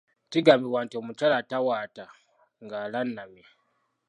Kigambibwa nti omukyala tawaata ng'alannamye.